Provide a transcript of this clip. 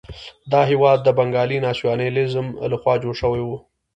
دا هېواد د بنګالي ناسیونالېزم لخوا جوړ شوی وو.